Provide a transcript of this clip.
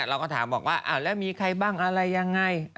แล้วเราก็ถามว่าแล้วมีใครบ้างอะไรยังไง